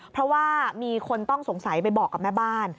เพราะว่ามีคนต้องสงสัยไปบอกกับแม่บ้าน